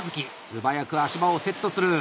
素早く足場をセットする。